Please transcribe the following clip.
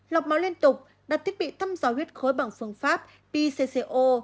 lọc máu liên tục đặt thiết bị thăm gió huyết khối bằng phương pháp pcco